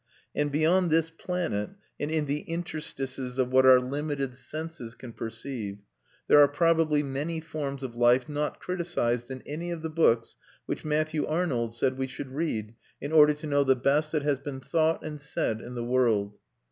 And beyond this planet, and in the interstices of what our limited senses can perceive, there are probably many forms of life not criticised in any of the books which Matthew Arnold said we should read in order to know the best that has been thought and said in the world.